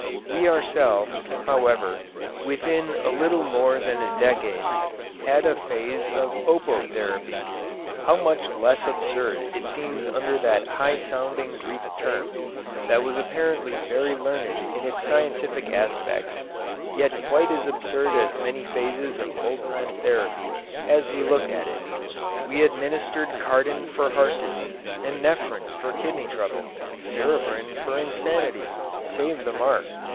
We ourselves, however, within a little more than a decade, had a phase of opotherapy how much less absurd it seems under that high sounding Greek term that was apparently very learned in its scientific aspects yet quite as absurd as many phases of old time therapy, as we look at it. We administered cardin for heart disease and nephrin for kidney trouble, cerebrin for insanity (save the mark!)